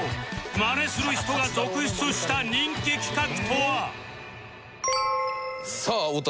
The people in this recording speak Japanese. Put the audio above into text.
マネする人が続出した人気企画とは？